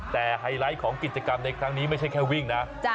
แต่ไฮไลท์ของกิจกรรมในครั้งนี้ไม่ใช่แค่วิ่งนะ